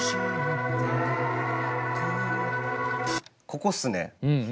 ここっすね。